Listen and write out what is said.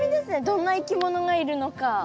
どんないきものがいるのか。